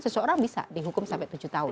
seseorang bisa dihukum sampai tujuh tahun